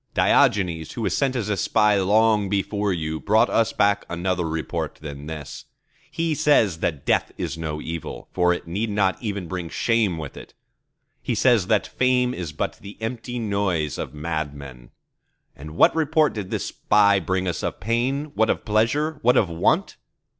Diogenes, who was sent as a spy long before you, brought us back another report than this. He says that Death is no evil; for it need not even bring shame with it. He says that Fame is but the empty noise of madmen. And what report did this spy bring us of Pain, what of Pleasure, what of Want?